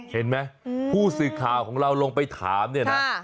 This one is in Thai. เห็นไหมผู้สื่อข่าวของเราลงไปถามเนี่ยนะ